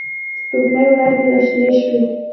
د سپوږ مۍ وړانګې را شنې شوې